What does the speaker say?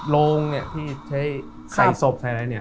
โรงเนี่ยที่ใช้ใส่ศพใส่อะไรเนี่ย